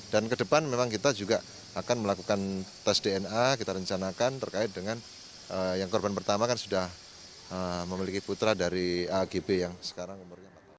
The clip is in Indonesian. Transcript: dan ke depan memang kita juga akan melakukan tes dna kita rencanakan terkait dengan yang korban pertama kan sudah memiliki putra dari agb yang sekarang umurnya